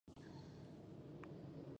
ترکیب د جملې قوت زیاتوي.